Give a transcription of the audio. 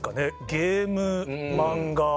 ゲーム漫画。